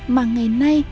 mà ngày nay